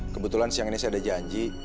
kebetulan siang ini saya ada janji